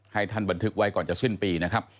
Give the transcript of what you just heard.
ให้ท่านบันทึกไว้ก่อนจะสิ้นปีนะครับ